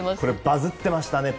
バズってましたね。